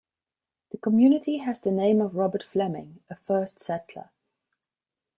The community has the name of Robert Fleming, a first settler.